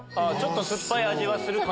酸っぱい味はする。